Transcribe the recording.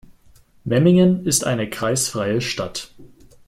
Memmingen ist eine kreisfreie Stadt.